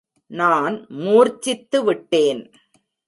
நான் மூர்ச்சித்து விட்டேன்.